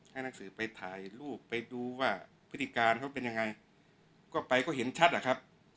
ให้นักสื่อไปถ่ายรูปไปดูว่าพฤติการเขาเป็นยังไงก็ไปก็เห็นชัดแหละครับ